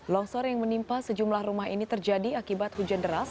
longsor yang menimpa sejumlah rumah ini terjadi akibat hujan deras